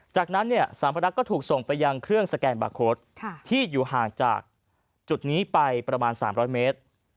จากนั้นสัมพนักก็ถูกส่งไปยังเครื่องสแกนบาร์โค้ดที่อยู่ห่างจากจุดนี้ไปประมาณ๓๐๐เมตร